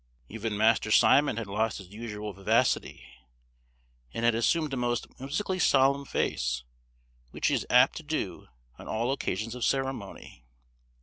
Even Master Simon had lost his usual vivacity, and had assumed a most whimsically solemn face, which he is apt to do on all occasions of ceremony.